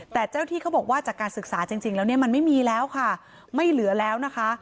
แต่เจ้าที่เขาบอกว่าจากการศึกษาจริงแล้วเนี่ยมันไม่มีแล้วค่ะไม่เหลือแล้วนะคะ